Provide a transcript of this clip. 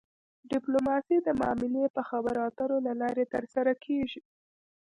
ډیپلوماسي د معاملې یا خبرو اترو له لارې ترسره کیږي